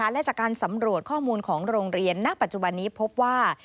และจากการสำรวจข้อมูลของโรงเรียนณปัจจุบันนี้พบว่า